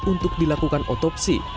untuk dilakukan otopsi